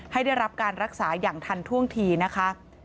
ให้ได้รับการรักษาอย่างทันท่วงทีนะคะ